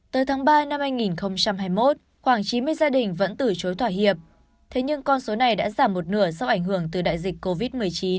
tới tháng ba năm hai nghìn hai mươi một khoảng chín mươi gia đình vẫn từ chối thỏa hiệp thế nhưng con số này đã giảm một nửa do ảnh hưởng từ đại dịch covid một mươi chín